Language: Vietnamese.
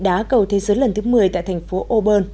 đá cầu thế giới lần thứ một mươi tại thành phố auburn